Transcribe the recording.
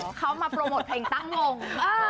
เขามาโปรโมทเพลงตั้งงง